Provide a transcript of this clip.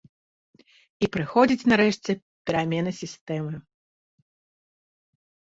І прыходзіць, нарэшце, перамена сістэмы.